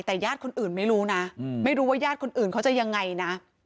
แต่ญาติคนอื่นไม่รู้นะไม่รู้ว่าญาติคนอื่นเขาจะยังไงนะ